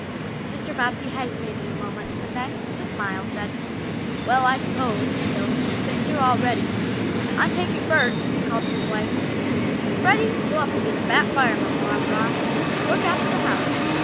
Mr. Bobbsey hesitated a moment, and then, with a smile, said: "Well, I suppose so, since you are all ready. I'm taking Bert," he called to his wife. "Freddie, you'll have to be the Fat Fireman while I'm gone, and look after the house."